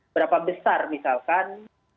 berapa besar misalkan